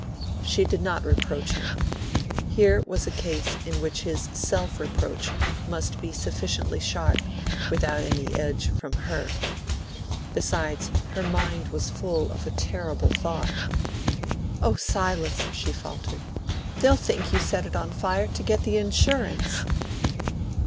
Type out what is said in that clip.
She did not reproach him. Here was a case in which his self reproach must be sufficiently sharp without any edge from her. Besides, her mind was full of a terrible thought. "O Silas," she faltered, "they'll think you set it on fire to get the insurance!"